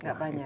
gak banyak ya